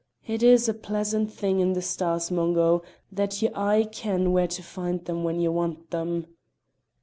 It is a pleasant thing in stars, Mungo, that ye aye ken where to find them when ye want them!"